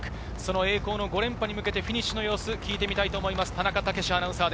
栄光の５連覇に向けてフィニッシュの様子を聞いてみます。